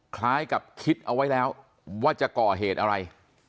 คล้ายกับคิดเอาไว้แล้วว่าจะก่อเหตุอะไร